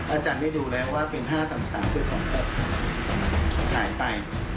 อาจารย์ได้ดูแลว่าเป็น๕๓๓๒๖๖หายไป